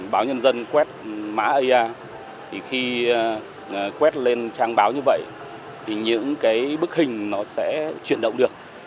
báo nhân dân quét mã aia khi quét lên trang báo như vậy thì những bức hình nó sẽ chuyển động được